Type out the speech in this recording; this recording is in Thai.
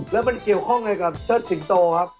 แล้วมันเกี่ยวข้องอะไรกับเชิดสิงโตครับ